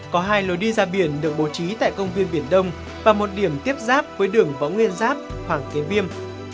có hai lối đi ra biển được bố trí tại công viên biển đông và một điểm tiếp giáp với đường võ nguyên giáp hoàng kế viêm